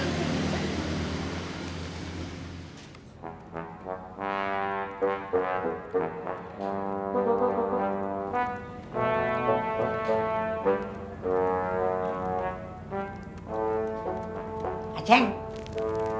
ya udah makan yuk